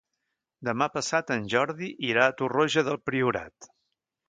Demà passat en Jordi irà a Torroja del Priorat.